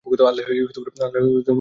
আল্লাহই উত্তমরূপে অবগত।